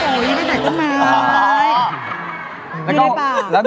แล้วก็เอามิดของเขาไปใจได้ไหม